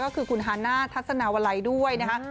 ก็คือคุณฮาน่าทัศนาวลัยด้วยนะคะ